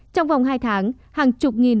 trong vòng hai tháng hàng chục nghìn